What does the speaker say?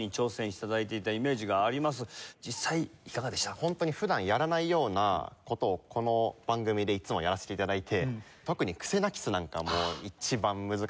ホントに普段やらないような事をこの番組でいつもやらせて頂いて。